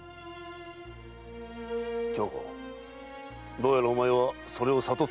どうやらお前はそれを悟ったようだな。